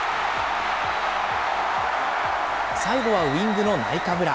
最後はウイングのナイカブラ。